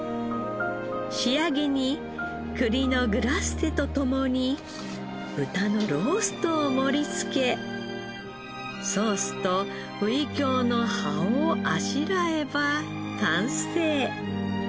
仕上げに栗のグラッセとともに豚のローストを盛り付けソースとウイキョウの葉をあしらえば完成。